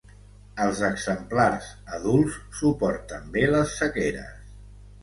Els exemplars adults suporten bé les sequeres.